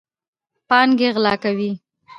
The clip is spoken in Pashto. پانګې غلا کوي.